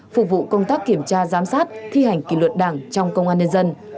phục vụ công tác kiểm tra giám sát thi hành kỷ luật đảng trong công an nhân dân